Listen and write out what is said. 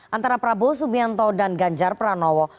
antara prabowo subianto dan ganjar pranowo